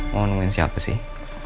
mama nungguin siapa sih